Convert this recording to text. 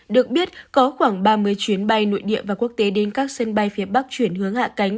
được biết có khoảng ba mươi chuyến bay nội địa và quốc tế đến các sân bay phía bắc chuyển hướng hạ cánh